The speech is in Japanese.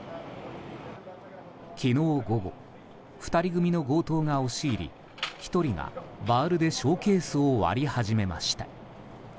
昨日午後２人組の強盗が押し入り１人がバールでショーケースを割り始めました。